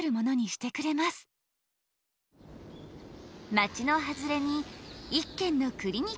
街の外れに一軒のクリニックがある。